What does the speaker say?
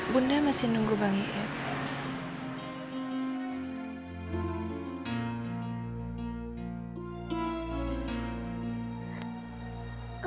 bunda masih nunggu bang ip